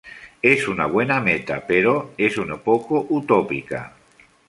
Es una buena meta, pero es un poco utópica".